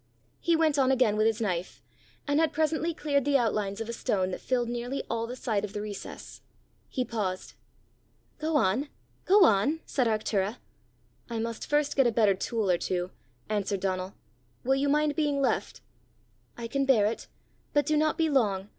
He went on again with his knife, and had presently cleared the outlines of a stone that filled nearly all the side of the recess. He paused. "Go on! go on!" said Arctura. "I must first get a better tool or two," answered Donal. "Will you mind being left?" "I can bear it. But do not be long.